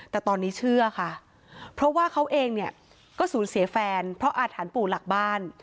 แต่ตอนนี้เชื่อค่ะเพราะว่าเขาเองเนี่ยก็สูญเสียแฟนเพราะอาถรรพ์ปู่หลักบ้าน